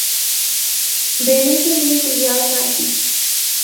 دینے کے لئے تیّار نہ تھی۔